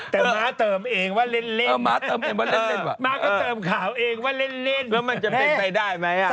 แล้วมันจะเป็นไปได้ไหมอ่ะ